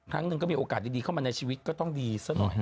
ครั้งหนึ่งก็มีโอกาสดีเข้ามาในชีวิตก็ต้องดีซะหน่อย